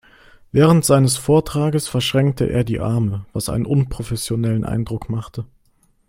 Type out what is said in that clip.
Während seines Vortrages verschränkte er die Arme, was einen unprofessionellen Eindruck machte.